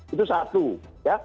itu satu ya